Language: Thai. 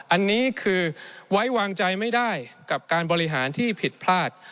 อันนี้คือไว้วางใจไม่ได้กับการบริหารที่ผิดพลาด